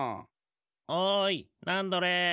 おいナンドレ！